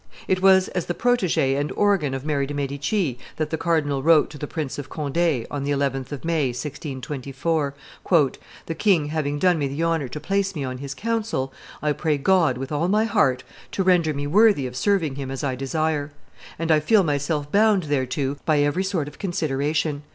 It was as the protege and organ of Mary de' Medici that the cardinal wrote to the Prince of Conde, on the 11th of May, 1624, "The king having done me the honor to place me on his council, I pray God with all my heart to render me worthy of serving him as I desire; and I feel myself bound thereto by every sort of consideration.